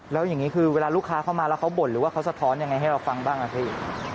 แล้วอย่างนี้คือเวลาลูกค้าเข้ามาแล้วเขาบ่นหรือว่าเขาสะท้อนยังไงให้เราฟังบ้างอะพี่